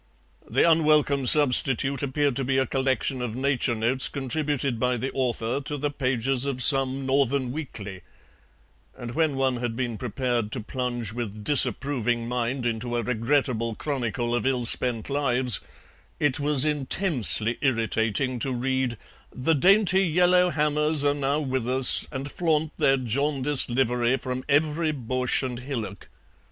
The unwelcome substitute appeared to be a collection of nature notes contributed by the author to the pages of some Northern weekly, and when one had been prepared to plunge with disapproving mind into a regrettable chronicle of ill spent lives it was intensely irritating to read "the dainty yellow hammers are now with us and flaunt their jaundiced livery from every bush and hillock."